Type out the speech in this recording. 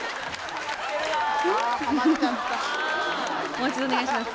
もう一度お願いします